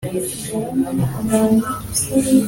akomeza kuryagagura buri kanya.